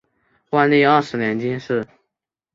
万历二十年进士。